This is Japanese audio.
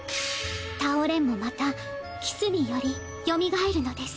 道もまたキスによりよみがえるのです。